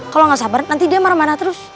kalau nggak sabar nanti dia marah marah terus